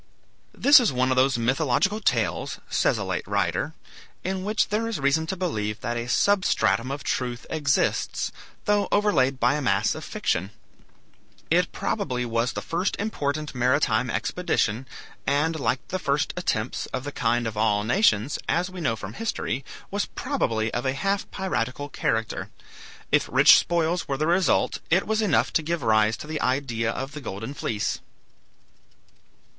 This is one of those mythological tales, says a late writer, in which there is reason to believe that a substratum of truth exists, though overlaid by a mass of fiction. It probably was the first important maritime expedition, and like the first attempts of the kind of all nations, as we know from history, was probably of a half piratical character. If rich spoils were the result it was enough to give rise to the idea of the golden fleece.